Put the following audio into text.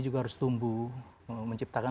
juga harus tumbuh menciptakan